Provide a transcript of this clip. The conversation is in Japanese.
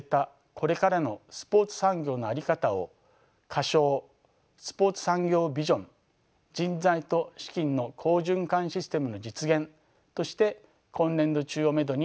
これからのスポーツ産業のあり方を仮称「スポーツ産業ビジョン−人材と資金の好循環システムの実現−」として今年度中をめどに取りまとめる予定です。